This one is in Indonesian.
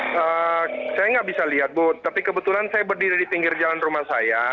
saya nggak bisa lihat bu tapi kebetulan saya berdiri di pinggir jalan rumah saya